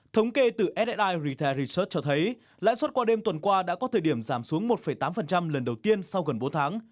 thống kê từ ssi rester research cho thấy lãi suất qua đêm tuần qua đã có thời điểm giảm xuống một tám lần đầu tiên sau gần bốn tháng